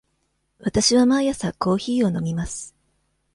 わたしは毎朝コーヒーを飲みます。